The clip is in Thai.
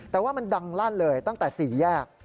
แต่ว่ามันดังลั่นเลยตั้งแต่๔แยก